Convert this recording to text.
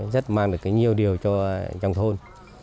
rất mang được cái nhiều điều cho trong thôn